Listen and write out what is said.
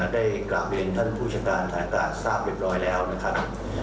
ได้กราบเรียนท่านผู้จัดการทางการทราบเรียบร้อยแล้วนะครับ